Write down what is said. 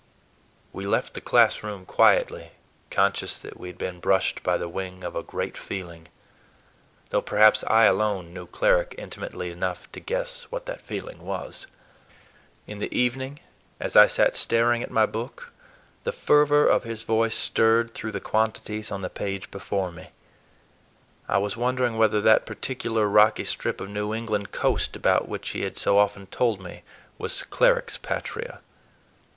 We left the classroom quietly, conscious that we had been brushed by the wing of a great feeling, though perhaps I alone knew Cleric intimately enough to guess what that feeling was. In the evening, as I sat staring at my book, the fervor of his voice stirred through the quantities on the page before me. I was wondering whether that particular rocky strip of New England coast about which he had so often told me was Cleric's patria.